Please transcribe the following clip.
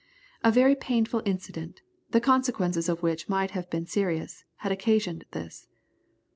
A very painful incident, the consequences of which might have been serious, had occasioned this.